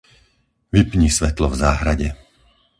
Vypni svetlo v záhrade.